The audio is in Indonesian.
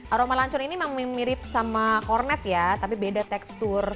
aroma lancur ini memang mirip sama kornet ya tapi beda tekstur